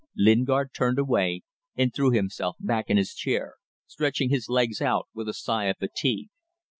Lingard turned away and threw himself back in his chair, stretching his legs out with a sigh of fatigue.